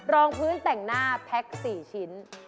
รองพื้นแต่งหน้าแพ็ค๔ชิ้น